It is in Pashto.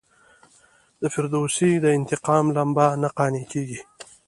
د فردوسي د انتقام لمبه نه قانع کیږي.